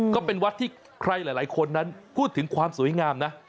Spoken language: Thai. ก็เป็นวัดที่ใครหลายคนนั้นพูดถึงความสวยงามนะ